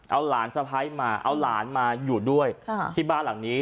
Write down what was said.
เอาหลานสะพ้ายมาเอาหลานมาอยู่ด้วยที่บ้านหลังนี้